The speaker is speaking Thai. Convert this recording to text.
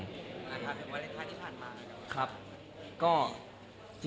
คุณอาธารกิจวันตั้งเวลาที่ผ่านมา